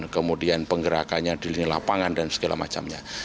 kemudian penggerakannya di lini lapangan dan segala macamnya